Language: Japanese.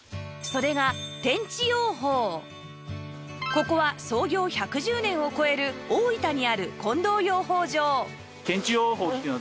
ここは創業１１０年を超える大分にある近藤養蜂場